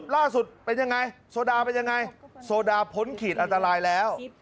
ล่าสุดเป็นยังไงโซดาเป็นยังไงโซดาพ้นขีดอันตรายแล้ว